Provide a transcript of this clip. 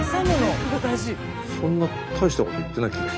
そんな大したこと言ってない気が。